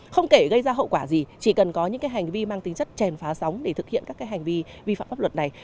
không kể gây ra hậu quả gì chỉ cần có những hành vi mang tính chất trèn phá sóng để thực hiện các hành vi vi phạm pháp luật này